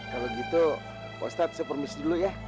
kalo gitu pak ustadz saya permisi dulu ya